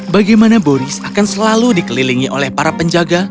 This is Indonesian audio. bagaimana boris akan selalu dikelilingi oleh para penjaga